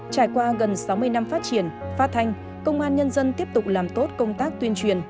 trải qua gần sáu mươi năm phát triển phát thanh công an nhân dân tiếp tục làm tốt công tác tuyên truyền